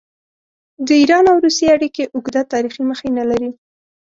د ایران او روسیې اړیکې اوږده تاریخي مخینه لري.